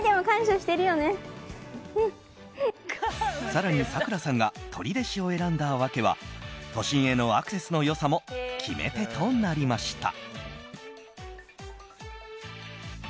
更に、さくらさんが取手市を選んだ訳は都心へのアクセスの良さも決め手となりました。